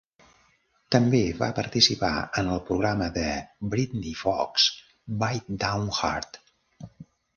També va participar en el programa de Britny Fox "Bite Down Hard".